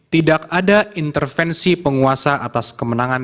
tidak ada intervensi penguasa atas kemenangan